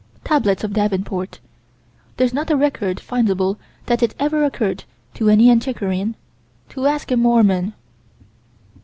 Tablets of Davenport there's not a record findable that it ever occurred to any antiquarian to ask a Mormon.